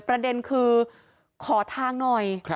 ประเด็นคือขอทางหน่อย